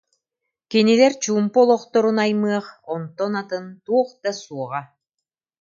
Кинилэр чуумпу олохторун аймыах онтон атын туох да суоҕа